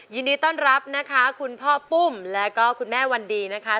ยินดีต้อนรับนะคะคุณพ่อปุ้มแล้วก็คุณแม่วันดีนะคะ